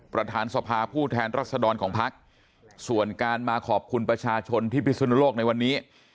ประธานสภาผู้แทนรัศดรของพักส่วนการมาขอบคุณประชาชนที่พิสุนโลกในวันนี้